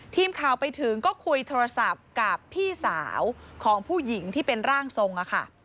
ทีมข่าวไปถึงก็คุยโทรศัพท์กับพี่สาวของผู้หญิงที่เป็นร่างทรงค่ะ